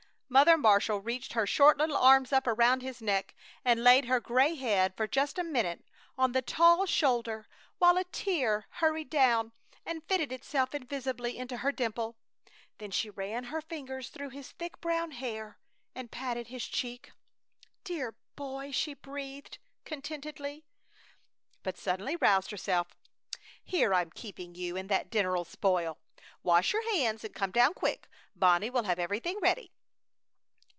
Mother Marshall reached her short little arms up around his neck and laid her gray head for just a minute on the tall shoulder, while a tear hurried down and fitted itself invisibly into her dimple; then she ran her fingers through his thick brown hair and patted his cheek. "Dear boy!" she breathed, contentedly, but suddenly roused herself. "Here I'm keeping you, and that dinner'll spoil! Wash your hands and come down quick! Bonnie will have everything ready!"